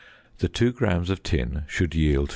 The 2 grams of tin should yield 2.